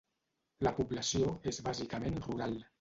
La població és bàsicament rural.